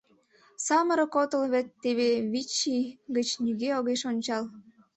Самырык отыл вет, теве вич ий гыч нигӧ огеш ончал...»